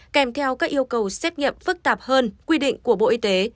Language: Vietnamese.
kèm theo các yêu cầu xét nghiệm phức tạp hơn quy định của bộ y tế